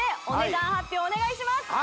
お願いします！